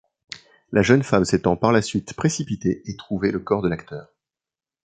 La jeune femme s'étant par la suite précipitée et trouvé le corps de l'acteur.